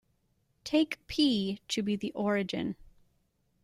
Take "P" to be the origin.